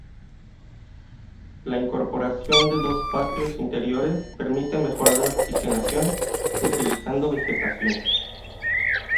La incorporación de dos patios interiores permite mejorar la oxigenación utilizando vegetación.